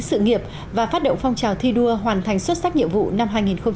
sự nghiệp và phát động phong trào thi đua hoàn thành xuất sắc nhiệm vụ năm hai nghìn hai mươi